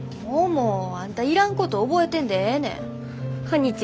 桃。あんたいらんこと覚えてんでええねん。